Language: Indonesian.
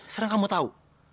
sekarang kamu tahu